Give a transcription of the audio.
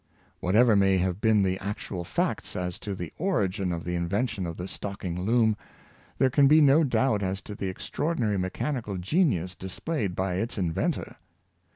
Whatever may have been the actual facts as to the origin of the invention of the Stocking loom, there can be no doubt as to the extraordinary mechanical genius displayed by its inventor.